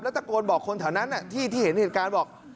ตะโกนบอกคนแถวนั้นที่เห็นเหตุการณ์บอก